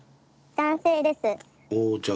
男性です。